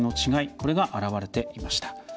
これが表れていました。